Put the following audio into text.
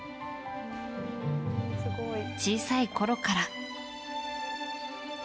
小さいころから。